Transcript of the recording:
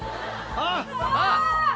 あっ。